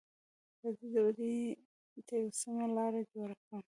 راځئ، زه به دې ته یوه سمه لاره جوړه کړم.